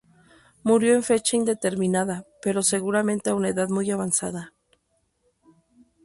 Murió en fecha indeterminada, pero seguramente a una edad muy avanzada.